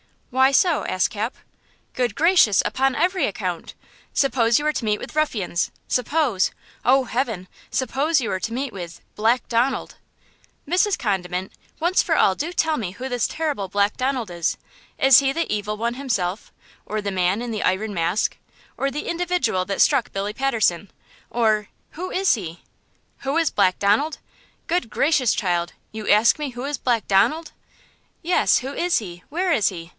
"Why so?" asked Cap. "Good gracious, upon every account! Suppose you were to meet with ruffians; suppose–oh, heaven!–suppose you were to meet with–Black Donald!" "Mrs. Condiment, once for all do tell me who this terrible Black Donald is? Is he the Evil One himself, or the Man in the Iron Mask, or the individual that struck Billy Patterson, or–who is he?" "Who is Black Donald? Good gracious, child, you ask me who is Black Donald!" "Yes; who is he? where is he?